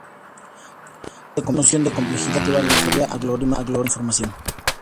Una noción de complejidad es definida en teoría algorítmica de la información.